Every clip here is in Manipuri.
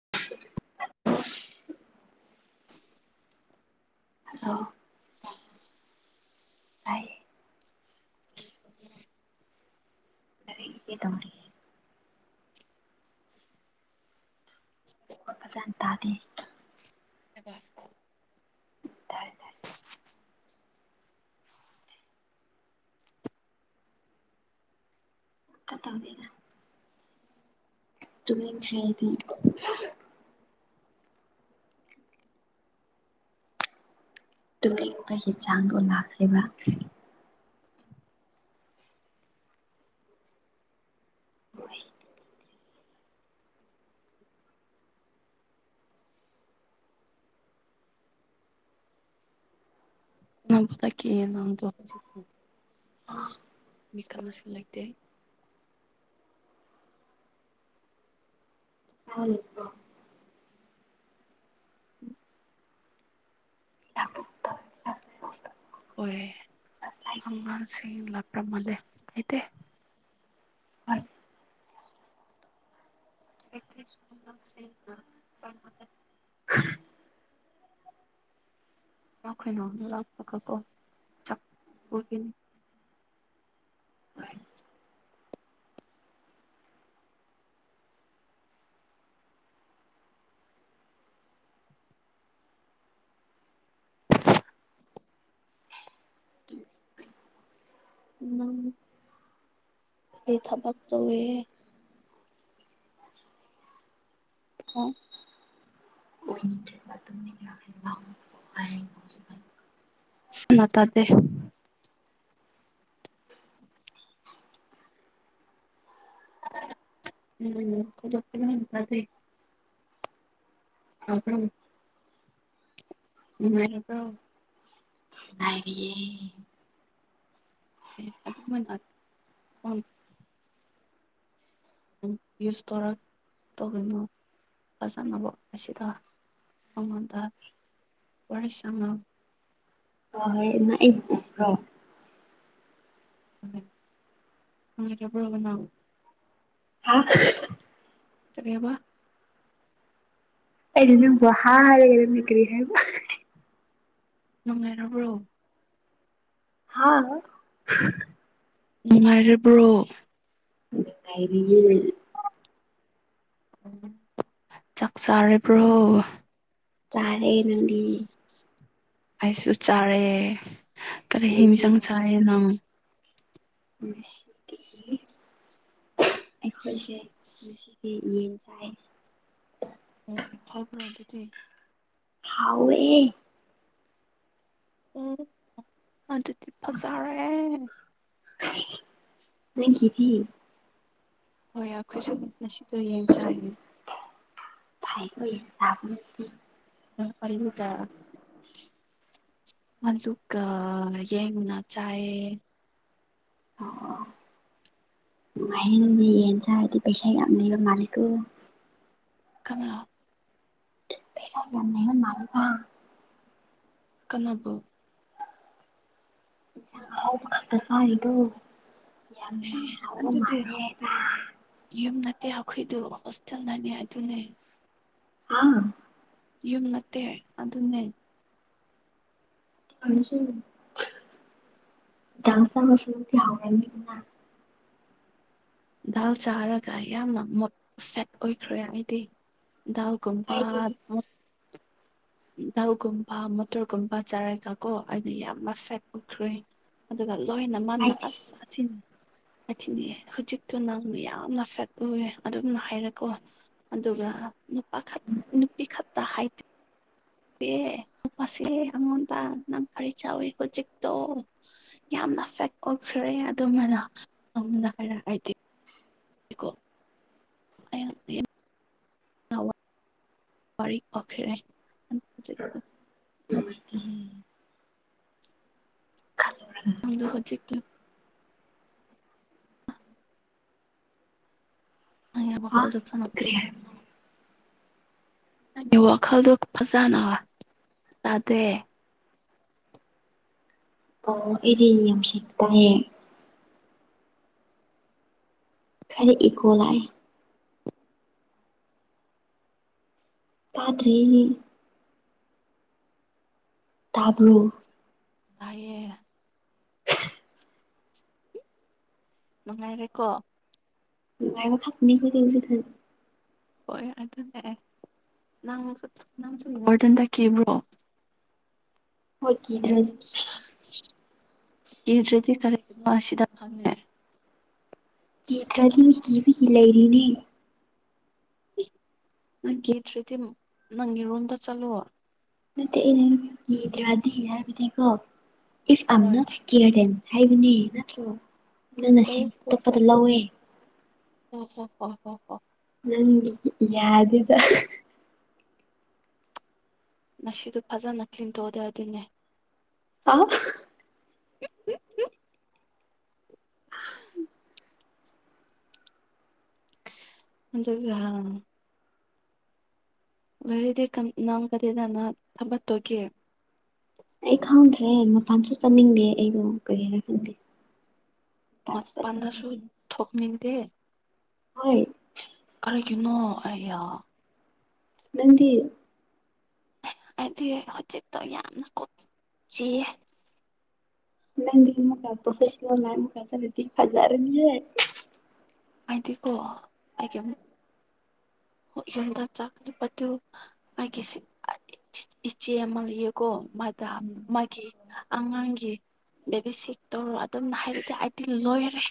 [inaudible] ꯍꯜꯂꯣ ꯇꯥꯢꯌꯦ [unintelligible] [unintelligible] [unintelligible] ꯇꯥꯗꯦ [unintelligible] [unintelligible] [unintelligible] ꯇꯧꯗꯦꯗ ꯇꯨꯝꯅꯤꯡꯗꯔꯤ ꯑꯩꯗꯤ ꯇꯨꯝꯅꯤꯡꯕꯒꯤ ꯆꯥꯡꯗꯣ ꯂꯥꯛꯈ꯭ꯔꯕ ꯍꯣꯏ [unintelligible] ꯅꯪꯗꫭ [unintelligible] [unintelligible] ꯂꯩꯕꯔꫭ ꯆꯥꯛꯄꯨ ꯍꯣꯏꯌꯦ ꯑꯉꯥꯡꯁꯤꯡ ꯂꯥꯞꯄ꯭ꯔꯃꯜꯂꯦ ꯀꯩꯇꯦ ꯑꯣꯏꯅꯤꯡꯈ꯭ꯔꯦꯕ [unintelligible] [unintelligible] ꯅꯪ ꯀꯔꯤ ꯊꯕꯛ ꯇꯧꯋꯦ ꯑꫭ [unintelligible] [unintelligible] ꯇꯥꯗꯦ [unintelligible] ꯎꯝ [unintelligible] ꯇꯥꯕ꯭ꯔꫭ ꯅꯨꯡꯉꯥꯏꯔꯕ꯭ꯔꫭ ꯉꯥꯏꯔꯤꯌꯦ ꯑꯦ ꯑꯗꯨꯝꯃꯅꯥꯠ [unintelligible] ꯎꯝ ꯏꯌꯨꯁ ꯇꯧꯔ ꯇꯧꯒꯅꯨ ꯐꯖꯅꯕ ꯑꯁꯤꯗ ꯑꯩꯉꫭꯟꯗ [unintelligible] ꯑꫭ ꯍꫭꯏ ꯅꯪ ꯑꯩꯕꯨ ꯎꯕ꯭ꯔꯣ [unintelligible] ꯅꯪ ꯍꯥ [unintelligible] ꯀꯔꯤ ꯍꯥꯏꯕ ꯑꯩꯩꯅ ꯅꯪꯕꯨ ꯍꯥꯥꯏ [unintelligible] ꯀꯔꯤ ꯍꯥꯏꯕ [unintelligible] ꯅꯨꯡꯉꯥꯏꯔꯕ꯭ꯔꯣ ꯍꯥ [unintelligible] ꯅꯨꯡꯉꯥꯏꯔꯕ꯭ꯔꯣ ꯅꯨꯡꯉꯥꯏꯔꯤꯌꯦ ꯑꫭ ꯆꯥꯛ ꯆꯥꯔꯕ꯭ꯔꯣ ꯆꯥꯔꯦ ꯅꯪꯗꯤ ꯑꯩꯁꯨ ꯆꯥꯔꯦ ꯀꯔꯤ ꯏꯟꯁꯥꯡ ꯍꯦꯟꯖꯥꯡ ꯆꯥ ꯆꯥꯔꯦ ꯅꯪ [unintelligible] [unintelligible] [unintelligible] ꯑꯩꯈꯣꯏꯁꯦ ꯉꯁꯤꯗꯤ ꯌꯦꯟ ꯆꯥꯏꯌꯦ ꯑꯣ ꯍꯥꯎꯕ꯭ꯔꯣ ꯑꯗꯨꯗꯤ ꯍꯥꯎꯋꯦ ꯎꯝ ꯑꯗꯨꯗꯤ ꯐꯖ꯭ꯔꯦ [unintelligible] ꯅꯪꯒꯤꯗꯤ ꯍꯣꯏ ꯑꯩꯈꯣꯏꯁꯨ ꯉꯁꯤꯗꯣ ꯌꯦꯟ ꯆꯥꯏꯌꯦ ꯐꯩꯀꫭꯏ ꯌꯦꯟ ꯆꯥꯕꯅꯗꯤ [unintelligible] ꯑꯗꯨꯒ ꯌꯦꯡꯅ ꯆꯥꯏꯌꯦ ꯑꯣ ꯅꯨꯡꯉꯥꯏꯔꯦ ꯅꫭꯏꯗꯤ ꯌꯦꯟ ꯆꯥꯔꯗꯤ ꯄꯩꯁꯥ ꯌꯥꯝ ꯂꯩꯕ ꯃꯥꯜꯂꯤꯀꯣ ꯀꯅꯥ ꯄꯩꯁꯥ ꯌꯥꯝ ꯂꯩꯕ ꯃꯜꯂꯦꯕ ꯀꯟꯅꯥꯕꯨ ꯏꯟꯁꯥꯡ ꯑꯍꯥꯎꯕ ꯈꯛꯇ ꯆꯥꯔꯤꯗꯨ ꯌꯥꯝꯅ ꯑꯦ ꯍꯥꯎꯕ ꯑꯗꯨꯗꯤ ꯃꯥꯜꯂꯦ ꯍꯥꯏꯅ ꯌꯨꯝ ꯅꯠꯇꯦ ꯑꯩꯈꯣꯏꯗꯨ ꯍꯣꯁꯇꯦꯜꯗꯅꯦ ꯑꯗꯨꯅꯦ ꯑꯥ ꯌꯨꯝ ꯅꯠꯇꯦ ꯑꯗꯨꯅꯦ [unintelligible] ꯗꯥꯜ ꯆꯥꯔꯒ ꯌꯥꯝꯅ ꯃꯨꯠ ꯁꯦꯠ ꯑꯣꯏꯈ꯭ꯔꯦ ꯑꯩꯗꯤ ꯗꯥꯜ ꯀꯥꯏꯗꯦ ꯀꯨꯝꯄꯥꯠ ꯃꯨꯠ ꯗꯥꯜꯒꯨꯝꯕ ꯃꯣꯇꯣꯔꯒꯨꯝꯕ ꯆꯥꯔꯒ ꯀꯣ ꯑꯩꯗꯤ ꯌꯥꯝꯅ ꯐꯦꯠ ꯑꯣꯏꯈ꯭ꯔꯦ ꯑꯗꯨꯒ ꯂꯣꯏꯅ ꯃꯥꯟꯅ ꯀꯥꯏꯗꯦ ꯑꯁ [unintelligible] ꯍꯧꯖꯤꯛꯇꯣ ꯅꯪ ꯌꯥꯝꯅ ꯐꯦꯠ ꯑꯣꯏꯌꯦ ꯑꯗꯨꯝꯅ ꯍꯥꯏꯔꯑꯣ ꯑꯗꯨꯒ ꯅꯨꯄꯥ ꯈꯛ ꯅꯨꯄꯤ ꯈꯛꯇ ꯍꯥꯏꯗꯦ ꯗꯦ ꯅꯨꯄꯁꯦ ꯑꯩꯉꯣꯟꯗ ꯅꯪ ꯀꯔꯤ ꯆꯥꯎꯋꯤ ꯍꯧꯖꯤꯛꯇꯣ ꯌꯥꯝꯅ ꯐꯦꯠ ꯑꯣꯏꯈ꯭ꯔꯦ ꯑꯗꯨꯃꯥꯏꯅ ꯑꯩꯉꯣꯟꯗ ꯍꯥꯏꯔꯛꯑꯗꯤ [unintelligible] ꯀꯣ [unintelligible] ꯅꯋꯥ ꯋꯥꯔꯤ [unintelligible] [unintelligible] ꯈꯪꯕ꯭ꯔ ꯅꯪ ꯅꯪꯗꯣ ꯍꯧꯖꯤꯛꯇꯤ ꯅꯪ ꯌꯥ ꯍꯥ ꯃꯈꯜꯗꯣ ꯆꯪꯉꯛꯇꯦ ꯀꯔꯤ ꯍꯥꯏꯕꯅꯣ ꯅꯪꯒꯤ ꯋꯥꯈꯜꯗꯨ ꯐꯖꯅ ꯇꯥꯗꯦ ꯑꯣ ꯑꯩꯗꯤ [unintelligible] ꯇꯥꯏꯌꯦ ꯈꯔ ꯏꯀꯣ ꯂꯥꯛꯑ ꯇꯥꯗ꯭ꯔꯦꯅꯦ꯫ ꯇꯥꯕ꯭ꯔꯣ꯫ ꯇꯥꯏꯌꯦ꯫ ꯅꯨꯡꯉꯥꯏꯔꯦꯀꯣ꯫ ꯅꯨꯡꯉꯥꯏꯕ ꯈꯥꯛꯅꯤ [unintelligible] ꯍꯣꯏ ꯑꯗꯨꯅꯦ ꯅꯪ ꯅꯪꯁꯨ ꯕꯔꯗꯟ ꯇꯛꯈꯤꯕ꯭ꯔꯣ? ꯍꯣꯏꯒꯤ [unintelligible] ꯀꯤꯗ꯭ꯔꯥꯗꯤ ꯀꯔꯤ__ [inaudible] ꯁꯤꯗ ꯐꯪꯉꯦ꯫ ꯀꯤꯗ꯭ꯔꯥꯗꯤ ꯀꯤꯕꯒꯤ ꯂꯩꯔꯤꯅꯦ꯫ ꯅꯪ ꯀꯤꯗ꯭ꯔꯥꯗꯤ ꯅꯪꯒꯤꯔꯣꯝꯗ ꯆꯠꯂꯣ꯫ ꯅꯠꯇꯦ ꯑꯩꯅ ꯀꯤꯗ꯭ꯔꯥꯗꯤ ꯍꯥꯏꯕꯗꯤꯀꯣ ꯏꯐ ꯑ ꯍꯣꯏ ꯅ___ ꯀꯤꯔꯗꯦꯟ ꯍꯥꯏꯕꯅꯦ ꯅꯠꯇ꯭ꯔꯣ꯫ ꯅꯪꯅ ꯁꯦꯟꯁ ꯑꯇꯣꯞꯄꯗ ꯂꯧꯋꯦ [inaudible] ꯅꯪꯒꯤ ꯌꯥꯗꯨꯗ꯫ ꯉꯁꯤꯗꯣ ꯐꯖꯅ ꯊꯤꯟꯊꯣꯛꯑꯗꯦ ꯑꯗꯨꯅꯦ꯫ ꯑ [unintelligible] [inaudible] ꯑꯗꯨꯒ__ ꯒꯥꯔꯤꯗꯤ ꯅꯪ ꯀꯗꯤꯗꯅ ꯊꯕꯠꯇꯣꯏꯒꯦ꯫ ꯑꯩ ꯈꯪꯗ꯭ꯔꯦ ꯃꯄꯥꯟꯁꯨ ꯆꯥꯅꯤꯡꯗꯦ ꯑꯩꯗꯣ ꯀꯔꯤꯅ ꯈꯪꯗꯦ꯫ ꯃꯄꯥꯟꯁꯨ ꯆꯠꯅꯤꯡꯗꯦ ꯃꯄꯥꯟꯗꯁꯨ ꯑꯩ ꯊꯣꯛꯅꯤꯡꯗꯦ꯫ ꯍꯣꯏ ꯀꯩꯅꯣ ꯑꯌꯥ ꯅꯪꯗꯤ꯫ ꯑ ꯑꯥꯗꯤ ꯍꯧꯖꯤꯛꯇꯣ ꯑꯩ ꯌꯥꯝꯅ ꯀꯨꯞ ꯆꯤꯌꯦ ꯅꯪꯗꯤ ꯑꯃꯨꯛꯀꯥ ꯄꯣ꯭ꯔꯐꯦꯁꯜꯅꯦꯜ ꯂꯥꯏꯟꯗ ꯆꯠꯂꯗꯤ ꯐꯖꯔꯅꯤꯌꯦ ꯑꯩꯗꯤ ꯀꯣ ꯑꯩꯗꯤ ꯑꯃꯨꯛ ꯍꯣ ꯌꯨꯝꯗ ꯆꯥꯛ ꯑꯇꯨ [unintelligible] ꯑꯩꯒꯤꯁꯤ ꯑ ꯏꯆꯦ ꯑꯃ ꯂꯩꯌꯦꯀꯣ ꯃꯥꯗ ꯃꯥꯒꯤ ꯑꯉꯥꯡꯒꯤ ꯕꯦꯕꯤ ꯁꯤꯠ ꯇꯧꯔꯣ ꯑꯗꯨꯝꯅ ꯍꯥꯏꯔꯗꯤ ꯑꯩꯗꯤ ꯂꯣꯏꯔꯦ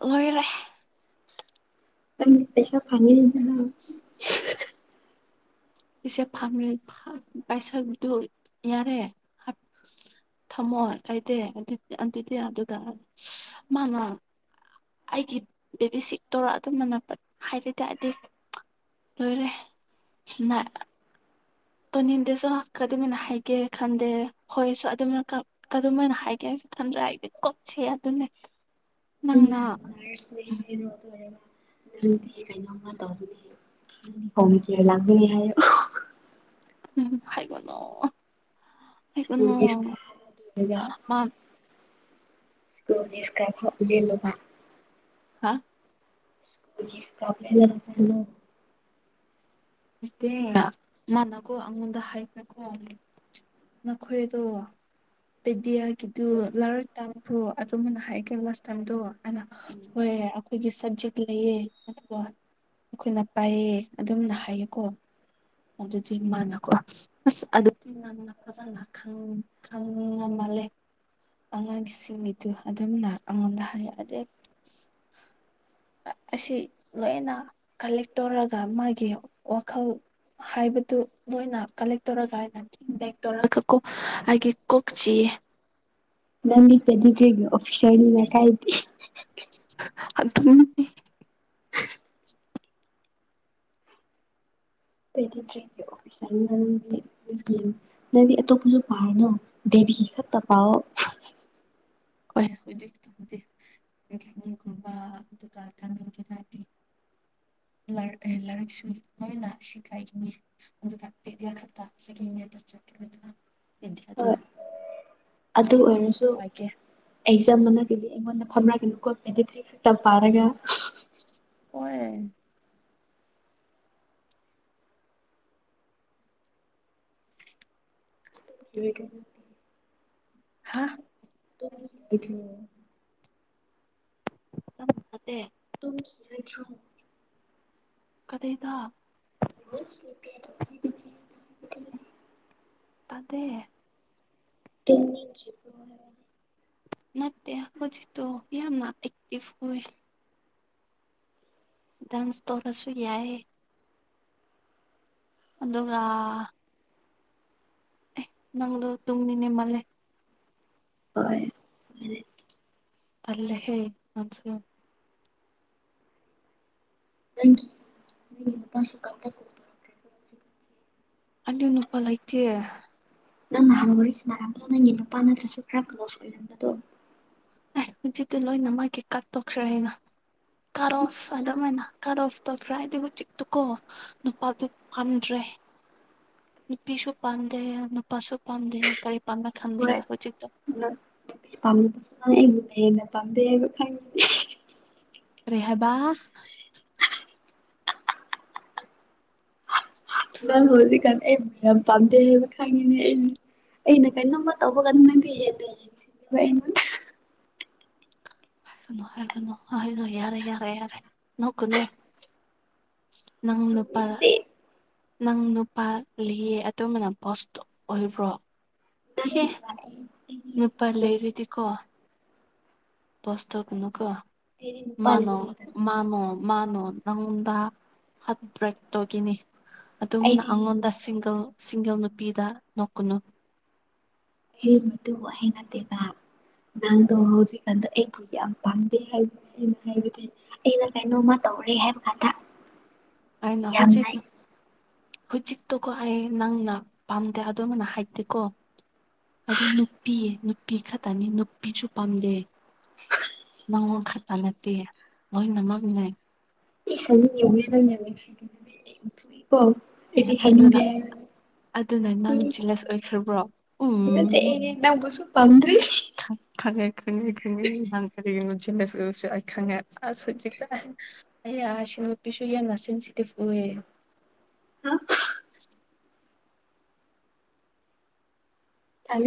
ꯂꯣꯏꯔꯦ ꯇꯪ ꯄꯩꯁꯥ ꯐꯪꯅꯤꯡꯗ꯭ꯔꯣ ꯄꯩꯁꯥ ꯐꯪꯔ ꯐ ꯄꯩꯁꯥꯗꯨ ꯌꯥꯔꯦꯍ ꯊꯝꯃꯣꯏ ꯂꯩꯇꯦ ꯑꯗꯨ ꯑꯗꯨꯗꯤ ꯗꯨꯒꯁ ꯃꯅꯥ ꯑꯩꯒꯤ ꯕꯦꯕꯤ ꯁꯤꯛ ꯇꯧꯔ ꯑꯗꯨꯝꯕꯅꯄꯠ ꯍꯥꯏꯔ ꯇ ꯑꯗꯤ ꯂꯣꯏꯔꯦ ꯅꯑ ꯇꯣꯅꯤꯟꯗꯁꯨ ꯀ ꯑꯗꯨꯃꯥꯏꯅ ꯍꯥꯏꯒꯦ ꯈꯟꯗꯦ ꯍꯣꯏꯁꯨ ꯑꯗꯨꯝꯅ ꯈꯪ ꯀꯗꯨꯃꯥꯏꯅ ꯍꯥꯏꯒꯦ ꯈꯟꯗ꯭ꯔꯦ ꯑꯩꯗꯤ ꯀꯣꯛꯁꯦ ꯑꯗꯨꯅꯦ [inaudible] ꯅꯪꯅ ꯅꯔꯁꯅꯦ ꯍꯥꯏꯅꯣ ꯑꯗꯨ ꯑꯣꯏꯔꯒ ꯅꯪꯗꯤ ꯀꯩꯅꯣꯝꯃ ꯇꯧꯅꯤ [unintelligible] [unintelligible] ꯂꯥꯛꯕ ꯂꯩ ꯍꯥꯏꯔꯞ ꯎꯝ ꯍꯥꯏꯒꯅꯣ ꯁ꯭ꯀꯨꯜꯒꯤ ꯍꯥꯏꯒꯅꯣ ꯁ꯭ꯀ꯭ꯔꯕ ꯍꯥꯞꯄꯣ ꯑꯗꯨ ꯑꯣꯏꯔꯒ ꯍꯥ ꯃꯥ [unintelligible] ꯂꯦꯂꯥꯕ ꯍꯥ [unintelligible] ꯏꯁꯇꯦ ꯃꯥꯅꯀꯣ ꯑꯩꯉꯣꯟꯗ ꯍꯥꯏꯈ꯭ꯔꯥꯀꯣ ꯅꯈꯣꯏꯗꯣ ꯄꯤꯗꯤꯌ ꯒꯤꯗꯨ ꯂꯥꯔ ꯇꯥꯕ꯭ꯔꯣ ꯑꯗꯨꯝꯃꯅ ꯍꯥꯏꯒꯦ ꯂꯥꯁ ꯇꯥꯏꯝꯗꯣ ꯑꯅ ꯍꯣꯏ ꯑꯩꯈꯣꯏꯒꯤ ꯁꯕꯖꯦꯛ ꯂꯩꯌꯦ ꯑꯗꯨꯒ ꯑꯩꯈꯣꯏꯅ ꯄꯥꯏꯌꯦ ꯑꯗꯨꯝꯅ ꯍꯥꯏꯌꯦꯀꯣ ꯑꯗꯨꯗꯒꯤ ꯃꯥꯅꯀꯣ ꯑꯁ ꯑꯗꯨꯗꯤ ꯃꯥꯅ ꯐꯖꯅ ꯈꯪ ꯈꯪꯉ ꯃꯥꯜꯂꯦ ꯑꯉꯥꯡꯁꯤꯡꯒꯤꯗꯨ ꯑꯗꯨꯝꯅ ꯑꯩꯉꯣꯟꯗ ꯍꯥꯏꯌꯦ ꯑꯗꯩ ꯑꯁ ꯑꯁꯤ ꯂꯣꯏꯅ ꯀꯂꯦꯛ ꯇꯧꯔꯒ ꯃꯥꯒꯤ ꯋꯥꯈꯜ ꯍꯥꯏꯕꯗꯨ ꯅꯣꯏꯅ ꯀꯂꯦꯛ ꯇꯧꯔꯒ ꯍꯥꯏꯅ ꯕꯦꯛ ꯇꯧꯔꯒ ꯀꯣ ꯑꯩꯒꯤ ꯀꯣꯛꯆꯤ ꯅꯪꯗꯤ ꯄ‌ꯦꯗꯤꯒ꯭ꯔꯤꯒꯤ ꯑꯣꯐꯤꯁꯔꯅꯤꯅ ꯀꯥꯏꯗꯦ [unintelligible] ꯑꯥ ꯑꯥ ꯑꯗꯨꯅꯤ ꯄ‌ꯦꯗ꯭ꯔꯤꯒ꯭ꯔꯤꯒꯤ ꯑ‌ꯣꯐꯤꯁꯔꯅꯤꯅ ꯅꯪꯗꯤ [unintelligible] ꯅꯪꯗꯤ ꯑꯇꯣꯞꯄꯁꯨ ꯄꯥꯔꯨꯅꯣ ꯗꯦꯕꯤꯒꯤ ꯈꯛꯇ ꯄꯥꯎꯑꯣ [unintelligible] ꯂꯥꯏꯔꯤ ꯂꯥꯏꯔꯤꯛꯁꯨ ꯂꯣꯏꯅ ꯁꯤꯒꯥꯏꯈꯤꯅꯤ ꯑꯗꯨꯒ ꯄꯦꯗꯤꯌꯥ ꯈꯠꯇ ꯁꯦꯀꯟ ꯌꯤꯔꯗ ꯆꯠꯈꯤꯕꯗꯨꯅ ꯄ‌ꯦꯗꯤꯑ ꯗꯨ ꯍꯣꯏ ꯑꯗꯨ ꯑꯣꯏꯔꯁꯨ ꯄꯥꯏꯒꯦ ꯑꯦꯛꯖꯥꯝ ꯃꯅꯥꯛꯒꯤꯗꯤ ꯑꯩꯉꯣꯟꯗ ꯐꯝꯔꯛꯒꯅꯨꯀ‌ꯣ ꯄꯦꯗꯤꯛꯆꯤ ꯈꯛꯇ ꯄꯥꯔꯒ ꯑꯣꯏ [unintelligible] ꯍꯥ [unintelligible] ꯅꯠꯇ‌ꯦ ꯇꯨꯝꯈꯤꯔ‌ꯣꯏꯗ꯭ꯔ‌ꯣ ꯀꯗꯩꯗ [unintelligible] ꯇꯗ‌ꯦ ꯇꯨꯝꯅꯤꯡꯈꯤꯕ꯭ꯔ‌ꯣ ꯍꯥꯏꯕ ꯅꯠꯇꯦ ꯍꯧꯖꯤꯛꯇꯣ ꯌꯥꯝꯅ ꯑꯦꯛꯇꯤꯚ ꯑꯣꯏ ꯗꯥꯟꯁ ꯇꯧꯔꯁꯨ ꯌꯥꯏꯌ‌ꯦ ꯑꯗꯨꯒꯥ ꯅꯪꯗ ꯇꯨꯝꯅꯤꯡꯉ ꯃꯥꯜꯂ‌ꯦ ꯍꯣꯏ ꯇꯜꯂ‌ꯦꯍꯦ ꯅꯪꯁꯨ ꯅꯪꯒꯤ ꯅꯪꯒꯤ ꯅꯨꯄꯥꯁꯨ [unintelligible] ꯍꯧꯖꯤꯛꯀꯥꯟꯁꯦ ꯑꯗꯨ ꯅꯨꯄꯥ ꯂꯩꯇꯦ ꯫ ꯅꯪ ꯅꯍꯥꯟ ꯋꯥꯔꯤ ꯁꯥꯟꯅꯔꯝꯕꯗꯣ ꯅꯪꯒꯤ ꯅꯨꯄꯥ ꯅꯠꯇ꯭ꯔꯁꯨ ꯈꯔ ꯀ꯭ꯂꯣꯁ ꯑꯣꯏꯔꯝꯕꯗꯣ ꯑꯦ ꯍꯧꯖꯤꯠꯇꯨ ꯂꯣꯏꯅ ꯃꯒꯤ ꯀꯠꯇꯣꯛꯈ꯭‌ꯦꯔꯍꯥꯏꯅ ꯀꯔꯣꯐ ꯑꯗꯨꯃꯥꯏꯅ ꯀꯠ ꯑꯣꯐ ꯇꯧꯈ꯭ꯔꯦ ꯍꯥꯏꯗꯤ ꯍꯧꯖꯤꯛꯇꯨꯀꯣ ꯅꯨꯄꯥꯗꯨ ꯄꯥꯝꯗ꯭ꯔꯦ ꯅꯨꯄꯤꯁꯨ ꯄꯥꯝꯗꯦ ꯅꯨꯄꯥꯁꯨ ꯄꯥꯝꯗꯦ ꯀꯔꯤ ꯄꯝꯅ ꯈꯟꯗ꯭ꯔꯦ ꯍꯣꯏ ꯍꯧꯖꯤꯛꯇ‌ꯣ ꯅꯪ ꯅꯨꯄꯤ ꯄꯥꯝꯕꯅ ꯑꯩꯕꯨꯅ ꯍꯦꯟꯅ ꯄꯥꯝꯗꯦ ꯍꯥꯏꯕ ꯈꯪꯉꯦ ꯀꯔꯤ ꯍꯥꯏꯕꯥ ꯅꯪ ꯍꯧꯖꯤꯀꯥꯟ ꯑꯩ ꯃꯌꯥꯝ ꯄꯥꯟꯗꯦꯕ ꯈꯥꯉꯤꯅꯦ ꯑꯩꯅ ꯑꯩꯅ ꯀꯩꯅꯣꯝꯃ ꯇꯧꯕ ꯀꯥꯟꯗ ꯅꯪꯗꯤ ꯍ‌ꯦꯟꯅ ꯌꯦꯡꯁꯤꯟꯕ ꯑꯩꯉꯣꯟꯗ ꯍꯥꯏꯒꯅꯣ ꯍꯥꯏꯒꯅꯣ ꯍꯥꯏꯌꯣ ꯌꯥꯔꯦ ꯌꯥꯔꯦ ꯌꯥꯔꯦ ꯅꯣꯛꯀꯅ‌ꯣ ꯅꯪ ꯅꯨꯄꯥꯔ ꯆꯨꯝꯃꯤꯗꯨꯗꯤ ꯅꯪ ꯅꯨꯄꯥ ꯂꯩꯌꯦ ꯑꯗꯨꯝꯃꯥꯏꯅ ꯕ‌ꯣꯁꯇꯣ ꯑꯣꯏꯕ꯭ꯔꯣ ꯍꯦ ꯅꯠꯇꯦꯕ ꯑꯩ ꯑꯩꯗꯤ ꯅꯨꯄꯥ ꯑꯗꯨꯝ ꯂꯩꯔꯗꯤꯀꯣ ꯕ‌ꯣꯁ ꯇꯧꯒꯅꯨꯀ‌ꯣ ꯑꯩꯗꯤ ꯃꯥ ꯅꯨꯄꯥꯗꯒꯤ ꯅ‌ꯣꯡ ꯂꯩꯇꯕ ꯃꯥ ꯅ‌ꯣꯡ ꯃꯥꯅꯣ ꯅꯪꯉꯣꯟꯗ ꯍꯠ ꯕ꯭ꯔꯦꯛ ꯇꯧꯒꯤꯅꯤ ꯑꯗꯨꯝꯃꯅ ꯑꯩꯗꯤ ꯑꯩꯉꯣꯟꯗ ꯁꯤꯡꯒꯜ ꯁꯤꯡꯒꯜ ꯅꯨꯄꯤꯗ ꯅꯣꯛꯀꯅꯨ ꯍ‌ꯦ ꯃꯗꯨꯕꯨ ꯍꯥꯏꯗꯦꯕ ꯅꯥꯡꯗꯣ ꯍꯧꯖꯤꯛꯀꯥꯟꯗ ꯑꯩꯕꯨ ꯌꯥꯝ ꯄꯥꯝꯗꯦ ꯍꯥꯏꯕ ꯑꯩꯅ ꯍꯥꯏꯕꯗꯤ ꯑꯩꯅ ꯀꯩꯅꯣꯃ ꯇꯧꯔꯦ ꯍꯥꯏꯕ ꯀꯥꯟꯗ ꯑꯩꯅ ꯌꯥꯝꯅ ꯍꯧꯖꯤꯛ ꯍꯧꯖꯤꯛꯇꯣ ꯀꯣ ꯑꯩ ꯅꯪꯅ ꯄꯥꯝꯗꯦ ꯑꯗꯨꯃꯥꯏꯅ ꯍꯥꯏꯗꯦꯀꯣ ꯍꯥꯏꯗꯤ ꯅꯨꯄꯤ ꯅꯨꯄꯤ ꯈꯛꯇꯅꯤ ꯅꯨꯄꯤꯁꯨ ꯄꯥꯝꯗ‌ꯦ ꯫ ꯅꯉꯣꯟ ꯈꯛꯇ ꯅꯠꯇꯦ ꯂꯣꯏꯅꯃꯛꯅꯦ ꯫ ꯏꯁ [unintelligible] ꯑꯦ ꯑꯩꯗꯤ ꯑꯗꯨꯅ ꯍꯏꯥꯅꯤꯡꯗ‌ꯦ ꯍꯥꯏꯕꯅ‌ꯦ ꯑꯗꯨꯅ ꯅꯪ ꯖ‌ꯦꯂꯦꯁ ꯑꯣꯏꯈ꯭ꯔꯥꯕ꯭ꯔꯣ ꯅꯠꯇꯦ ꯎꯝ ꯑꯩꯗꯤ ꯅꯪꯕꯨꯁꯨ ꯄꯥꯝꯗ꯭ꯔꯤ ꯈꯪꯉꯦ ꯈꯪꯉꯦ ꯈꯪꯉꯦ ꯅꯍꯪ ꯀꯔꯤꯒꯤꯅꯣ ꯖ‌ꯦꯂ‌ꯦꯁ ꯑ‌ꯣꯏꯕꯁꯨ ꯑꯩ ꯈꯪꯉꯦ ꯑꯁ ꯍꯧꯖꯤꯛꯇꯥꯏ ꯑꯩꯌ [unintelligible] ꯌꯥꯝꯅ ꯁ‌ꯦꯟꯁꯤꯇꯤꯞ ꯑ‌ꯣꯏꯌ‌ꯦ ꯫ ꯍꯥ ꯊꯝꯃꯦ